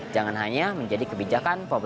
jangan hanya menjadi kebijakan publik